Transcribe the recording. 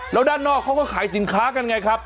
แล้วด้านนอกเขาก็ขายสินค้ากันไงครับ